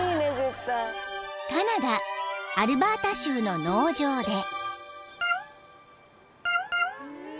［カナダアルバータ州の農場で］